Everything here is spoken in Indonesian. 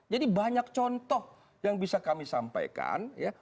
jadi banyak contoh yang bisa kami sampaikan